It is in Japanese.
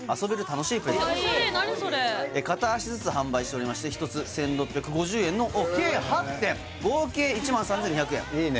オシャレ何それ片足ずつ販売しておりまして１つ１６５０円の計８点合計１３２００円いいね